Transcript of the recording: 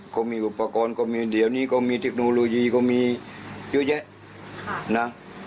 เขามีอุปกรณ์เดี๋ยวนี้เขามีเทคโนโลยีเยอะแยะนะ